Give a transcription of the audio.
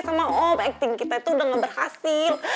sama om acting kita itu udah gak berhasil